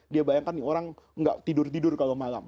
dia bayangkan nih orang nggak tidur tidur kalau malam